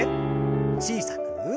小さく。